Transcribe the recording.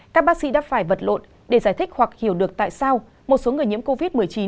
các bác sĩ đã phải vật lộn để giải thích hoặc hiểu được tại sao một số người nhiễm covid một mươi chín